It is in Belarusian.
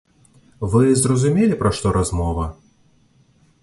Вы зразумелі, пра што размова?